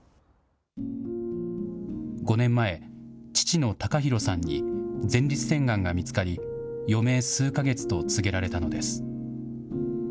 ５年前、父の尚宏さんに前立腺がんが見つかり、余命数か月と告げられたのです。